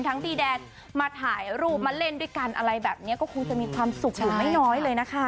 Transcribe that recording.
พี่แดนมาถ่ายรูปมาเล่นด้วยกันอะไรแบบนี้ก็คงจะมีความสุขอยู่ไม่น้อยเลยนะคะ